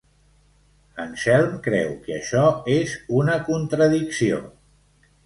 Anselm creu que això és una contradicció.